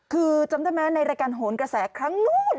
คือจำได้ไหมในรายการโหนกระแสครั้งนู้น